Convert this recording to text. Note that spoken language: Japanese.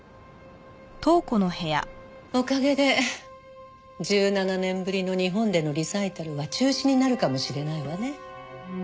おかげで１７年ぶりの日本でのリサイタルは中止になるかもしれないわね。